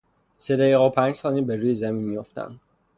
سه دقیقه و پنج ثانیه به روی زمین میافتند